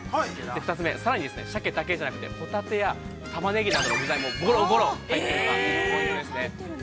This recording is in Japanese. ２つ目、さらに、シャケだけじゃなくて、ホタテやタマネギなどの具材もごろごろ入っているのがポイントですね。